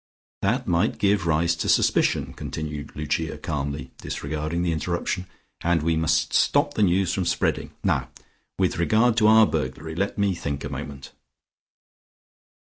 "That might give rise to suspicion," continued Lucia calmly, disregarding the interruption, "and we must stop the news from spreading. Now with regard to our burglary ... let me think a moment."